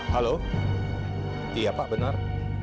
halo iya pak benar